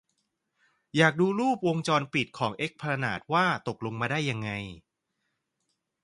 อยากดูรูปวงจรปิดของเอสพลานาดว่าตกลงมาได้ยังไง